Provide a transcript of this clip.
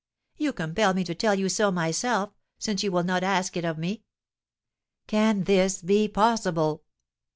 "You compel me to tell you so myself, since you will not ask it of me." "Can this be possible?"